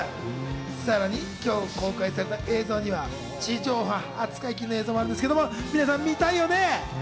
さらに今日公開された映像には、地上波初解禁の映像もあるんですが、皆さん見たいよね？